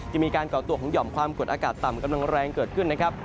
มีการก่อตัวของหย่อมความกดอากาศต่ำกำลังแรงเกิดขึ้นนะครับ